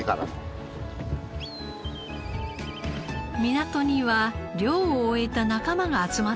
港には漁を終えた仲間が集まっていました。